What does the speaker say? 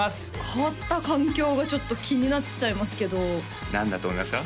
「変わった環境」がちょっと気になっちゃいますけど何だと思いますか？